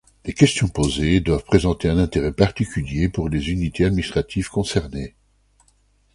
Les questions posées doivent présenter un intérêt particulier pour les unités administratives concernées.